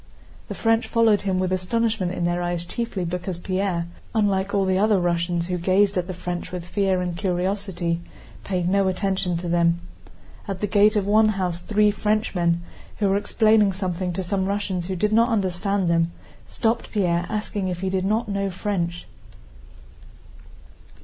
The French followed him with astonishment in their eyes chiefly because Pierre, unlike all the other Russians who gazed at the French with fear and curiosity, paid no attention to them. At the gate of one house three Frenchmen, who were explaining something to some Russians who did not understand them, stopped Pierre asking if he did not know French.